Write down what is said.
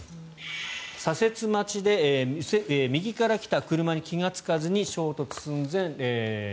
左折待ちで右から来た車に気がつかずに衝突寸前。